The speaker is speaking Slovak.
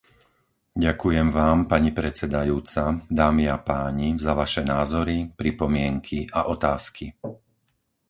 Ďakujem vám, pani predsedajúca, dámy a páni, za vaše názory, pripomienky a otázky.